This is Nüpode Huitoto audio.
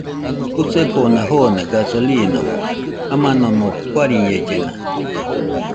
Jusefona joone gasolimo jamanomo guariñellena